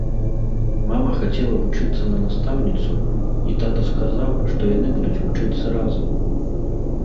Мама хацела вучыцца на настаўніцу, і тата сказаў, што яны будуць вучыцца разам.